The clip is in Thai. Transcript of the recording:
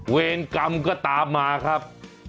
เวรกรรมก็ตามมาครับ